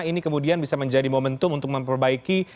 ini kemudian bisa menjadi momentum untuk memperbaiki